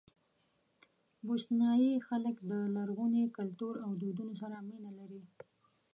بوسنیایي خلک د لرغوني کلتور او دودونو سره مینه لري.